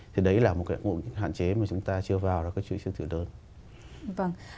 thì đấy là một cái hạn chế mà chúng ta chưa vào vào các chuỗi siêu thị lớn